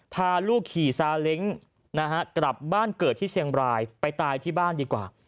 พาลูกขี่ซาเล้งนะฮะกลับบ้านเกิดที่เชียงบรายไปตายที่บ้านดีกว่า